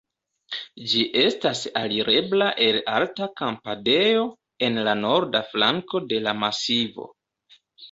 Ĝi estas alirebla el alta kampadejo en la norda flanko de la masivo.